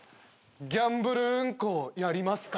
ギャンブルうんこやりますか？